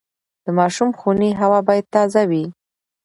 د ماشوم خونې هوا باید تازه وي۔